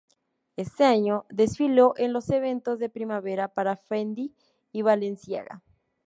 Ese año desfiló en los eventos de primavera para Fendi y Balenciaga.